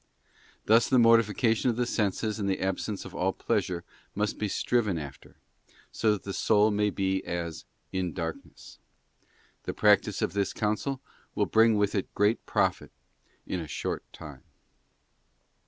Thus the mortification of the senses and ___ the absence of all pleasure must be striven after, so that the soul may be as in darkness. The practice of this counsel will bring with it great profit in a short time.